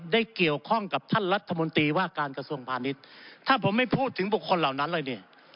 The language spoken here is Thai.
ได้เกี่ยวข้องกับท่านรัฐมนตรีว่าการกระทรวงพาณิชย์ถ้าผมไม่พูดถึงบุคคลเหล่านั้นเลยเนี่ย